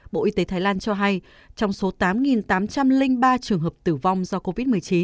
bộ y tế thái lan cho hay trong số tám tám trăm linh ba trường hợp tử vong do covid một mươi chín